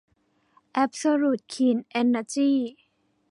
แอ๊บโซลูท คลีน เอ็นเนอร์จี้